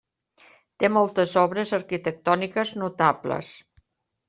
Té moltes obres arquitectòniques notables.